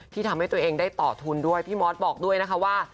ทำให้ตัวเองได้ต่อทุนด้วยพี่มอสบอกด้วยนะคะว่า